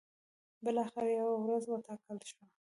بالاخره یوه ورځ وټاکل شوه.